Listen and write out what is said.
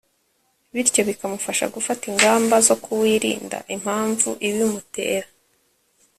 bityo bikamufasha gufata ingamba zo kuwirinda impamvu ibimutera